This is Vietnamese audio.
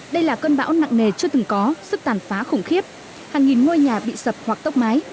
đây là cơn bão nặng nề chưa từng có sức tàn phá khủng khiếp hàng nghìn ngôi nhà bị sập hoặc tốc mái